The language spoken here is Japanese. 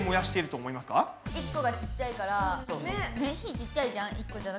１個がちっちゃいから火ちっちゃいじゃん１個じゃ。